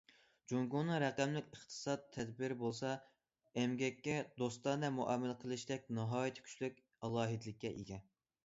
جۇڭگونىڭ رەقەملىك ئىقتىساد تەدبىرى بولسا، ئەمگەككە دوستانە مۇئامىلە قىلىشتەك ناھايىتى كۈچلۈك ئالاھىدىلىككە ئىگە.